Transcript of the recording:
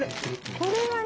これはね